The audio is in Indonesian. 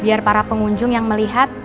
biar para pengunjung yang melihat